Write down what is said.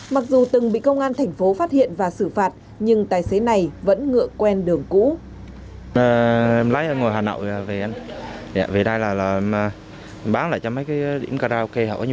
mặc dù từng bị công an thành phố phát hiện và xử phạt nhưng tài xế này vẫn ngựa quen đường cũ